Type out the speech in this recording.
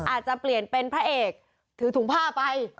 อาจจะเปลี่ยนเป็นพระเอกถือถุงผ้าไป